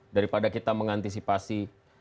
daripada kita mengantisipasi